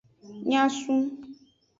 Nyasun.